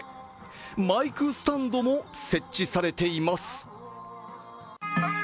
マイクスタンドも設置されています。